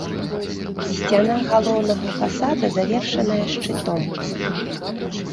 Сцяна галоўнага фасада завершаная шчытом.